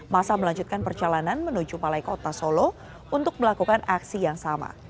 masa melanjutkan perjalanan menuju balai kota solo untuk melakukan aksi yang sama